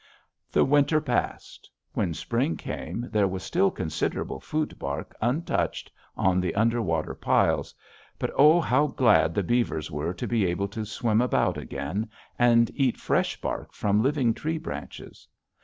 "The winter passed. When spring came, there was still considerable food bark untouched on the underwater piles, but, oh, how glad the beavers were to be able to swim about again, and eat fresh bark from living tree branches.